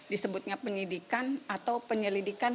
disebutnya penyelidikan atau penyelidikan